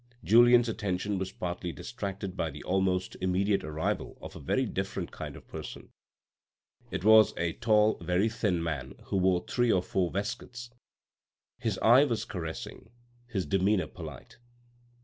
Julien's attention was partly distracted by the almost immediate arrival of a very different kind of person. It was a 382 THE RED AND THE BLACK a tall very thin man who wore three or four waistcoats. His eye was caressing, his demeanour polite.